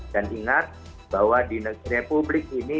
dan ingat bahwa di negeri republik ini